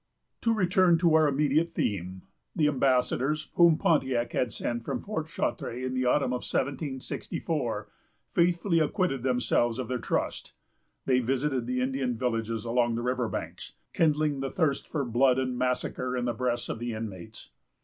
To return to our immediate theme. The ambassadors, whom Pontiac had sent from Fort Chartres in the autumn of 1764, faithfully acquitted themselves of their trust. They visited the Indian villages along the river banks, kindling the thirst for blood and massacre in the breasts of the inmates.